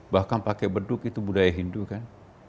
bahkan pakai beduk itu budaya hindu kan